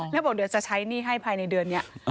แล้วบอกเดี๋ยวจะใช้หนี้ให้ภายในเดือนนี้